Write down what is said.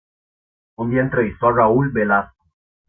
Un día entrevistó a Raúl Velasco.